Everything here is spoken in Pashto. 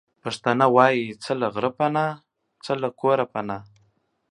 پښتانه وايې:څه له غره پنا، څه له کوره پنا.